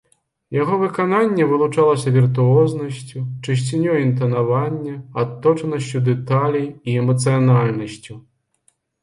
Яго выкананне вылучалася віртуознасцю, чысцінёй інтанавання, адточанасцю дэталей і эмацыянальнасцю.